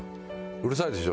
うるさいでしょ？